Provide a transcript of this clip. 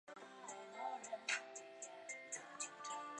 原声带中收录了剧中大部份的所有歌曲。